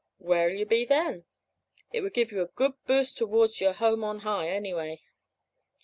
Where'll you be then?' It would give you a good boost towards your home on high, anyway.